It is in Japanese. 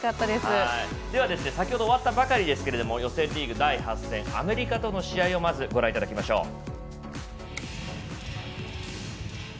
では、先ほど終わったばかりですが予選リーグ第８戦、アメリカとの試合をまずご覧いただきましょう。